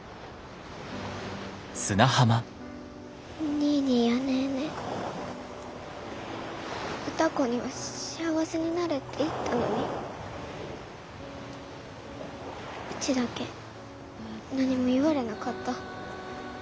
ニーニーやネーネー歌子には「幸せになれ」って言ったのにうちだけ何も言われなかった。